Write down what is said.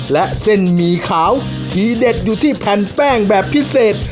และเส้นหมี่ขาวที่เด็ดอยู่ที่แผ่นแป้งแบบพิเศษ